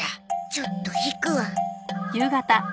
ちょっと引くわ。